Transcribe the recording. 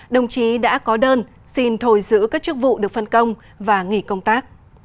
đồng chí đã có đơn xin thổi giữ các chức vụ được phân công và nghỉ công tác